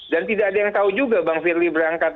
dan tidak ada yang tahu juga bang firly berangkat